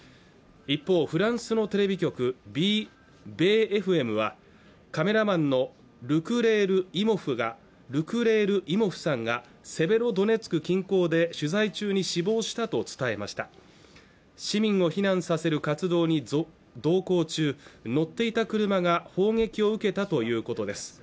一方フランスのテレビ局ＢＦＭはカメラマンのルクレールイモフさんがセベロドネツク近郊で取材中に死亡したと伝えました市民を避難させる活動に同行中に乗っていた車が砲撃を受けたということです